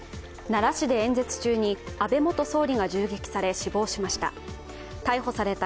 奈良市で演説中に安倍元総理が銃撃され、死亡しました。